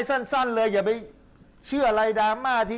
สบายเป็นไง